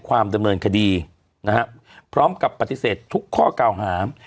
ความดำเนินคดีนะฮะพร้อมกับปฏิเสธทุกข้อเก่าหา